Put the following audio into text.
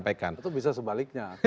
itu bisa sebaliknya